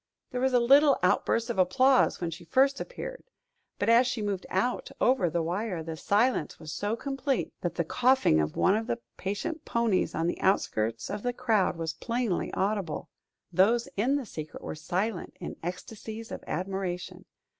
There was a little outburst of applause when she first appeared. But as she moved out over the wire, the silence was so complete that the coughing of one of the patient ponies on the outskirts of the crowd was plainly audible. Those in the secret were silent, in ecstasies of admiration.